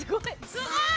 すごい。